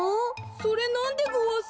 それなんでごわす？